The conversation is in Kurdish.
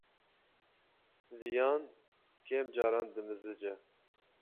Viyan kêm caran dimizice.